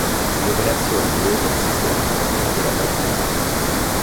Le operazioni di voto si svolsero nella piena tranquillità.